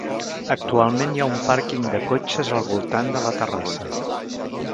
Actualment hi ha un pàrquing de cotxes al voltant de la Terrassa.